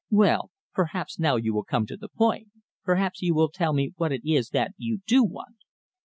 Well, perhaps now you will come to the point. Perhaps you will tell me what it is that you do want?"